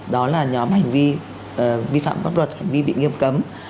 đó là nhóm hành vi vi phạm pháp luật hành vi bị nghiêm cấm